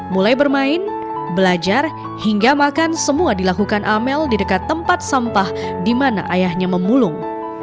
mulai bermain belajar hingga makan semua dilakukan amel di dekat tempat sampah di mana ayahnya memulung